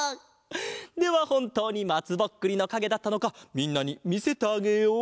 ではほんとうにまつぼっくりのかげだったのかみんなにみせてあげよう！